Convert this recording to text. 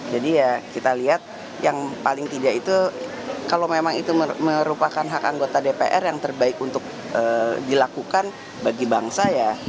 jadi ya kita lihat yang paling tidak itu kalau memang itu merupakan hak anggota dpr yang terbaik untuk dilakukan bagi bangsa ya